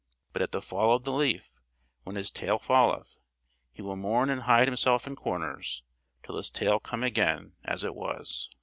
But at the fall of the leaf, when his tail falleth, he will mourn and hide himself in corners, till his tail come again as it was."